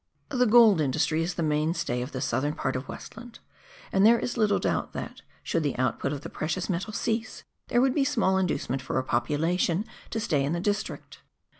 The gold industry is the mainstay of the southern part of Westland, and there is little doubt that, should the output of the precious metal cease, there would be small inducement for a population to stay in the district.